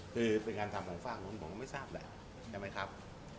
คือเป็นการทำของฝากนู้นผมก็ไม่ทราบแหละใช่ไหมครับ